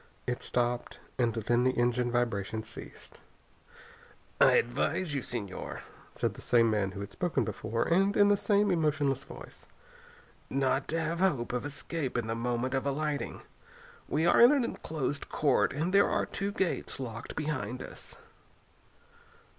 It stopped, and then the engine vibration ceased. "I advise you, Señor," said the same man who had spoken before, and in the same emotionless voice, "not to have hope of escape in the moment of alighting. We are in an enclosed court and there are two gates locked behind us."